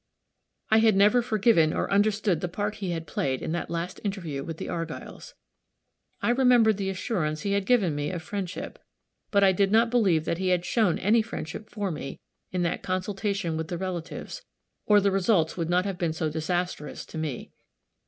I had never forgiven or understood the part he had played in that last interview with the Argylls. I remembered the assurance he had given me of friendship, but I did not believe that he had shown any friendship for me, in that consultation with the relatives, or the results would not have been so disastrous to me.